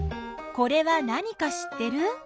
これは何か知ってる？